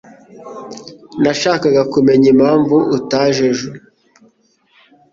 Nashakaga kumenya impamvu utaje ejo.